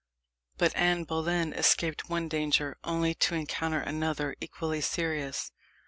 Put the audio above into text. But Anne Boleyn escaped one danger only to encounter another equally serious.